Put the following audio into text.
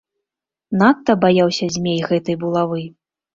Надта баяўся змей гэтай булавы.